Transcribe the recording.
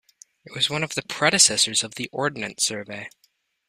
It was one of the predecessors of the Ordnance Survey.